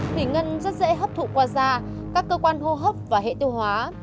thủy ngân rất dễ hấp thụ qua da các cơ quan hô hấp và hệ tiêu hóa